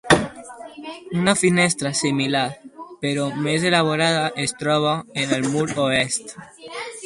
Una finestra similar, però més elaborada es troba en el mur oest.